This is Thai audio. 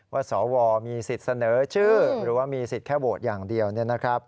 สวมีสิทธิ์เสนอชื่อหรือว่ามีสิทธิ์แค่โหวตอย่างเดียว